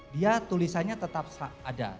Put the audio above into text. dia tulisannya tetap ada